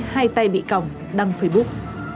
hai tay bị còng đăng facebook